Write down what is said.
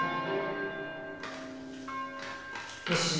西島